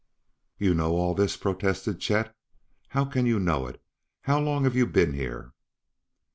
"You know all this!" protested Chet. "How can you know it? How long have you been here?"